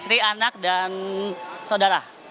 istri anak dan saudara